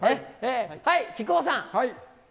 木久扇さん。